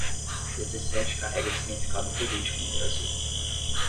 Dezessete carrega significado político no Brasil